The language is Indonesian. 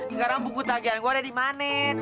sekarang buku tagihan gue ada di manet